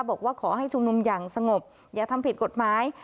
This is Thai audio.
บอกว่าขอให้ชุมนุมอย่างสงบอย่าทำผิดกฎหมาย